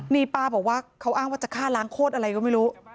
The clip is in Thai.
นี่ป้าบอกว่าเขาอ้างว่าจะฆ่าล้างโคตรอะไรก็ไม่รู้